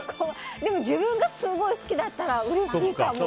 でも、自分がすごい好きだったらうれしいかも。